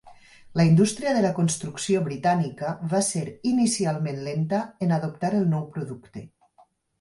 La indústria de la construcció britànica va ser inicialment lenta en adoptar el nou producte.